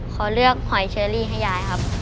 ขอเลือกหอยเชอรี่ให้ยายครับ